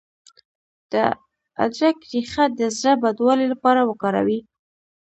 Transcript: د ادرک ریښه د زړه بدوالي لپاره وکاروئ